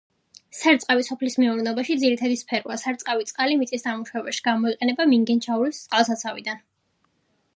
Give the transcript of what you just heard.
სარწყავი სოფლის მეურნეობაში ძირითადი სფეროა, სარწყავი წყალი მიწის დამუშავებაში გამოიყენება მინგეჩაურის წყალსაცავიდან.